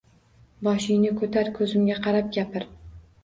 Boshingni ko‘tar, ko‘zimga qarab gapir!